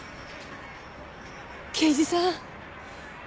刑事さん